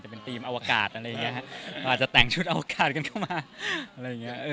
จริงเราก็เพิ่งมีงานคนเสิร์ทไปเมื่อต้นปี